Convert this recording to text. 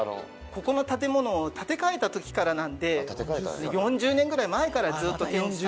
ここの建物を建て替えた時からなんで４０年ぐらい前からずっと展示されてるっていう。